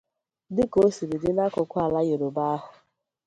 dịka o siri dị n'akụkụ ala Yoruba ahụ